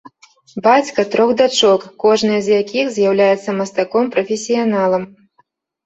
Бацька трох дачок, кожная з якіх з'яўляецца мастаком-прафесіяналам.